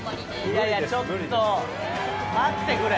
いやいやちょっと待ってくれ